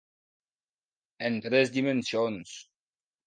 En tres dimensions.